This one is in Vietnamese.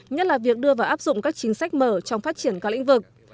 nhất là việc đưa vào áp dụng các chính sách mở trong phát triển các lĩnh vực